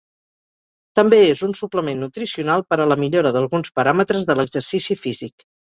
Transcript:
També és un suplement nutricional per a la millora d'alguns paràmetres de l'exercici físic.